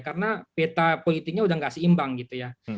karena peta politiknya sudah tidak seimbang gitu ya